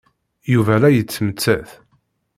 Yuba la yettmettat.